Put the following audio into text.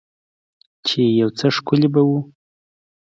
چې يو څه ښکلي به وو.